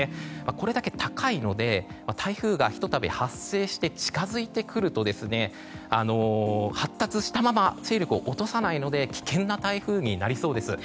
これだけ高いので台風がひと度発生して近づいてくると発達したまま勢力を落とさないので危険な台風になりそうです。